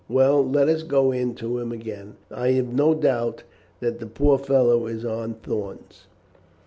Well, let us go in to him again. I have no doubt that the poor fellow is on thorns."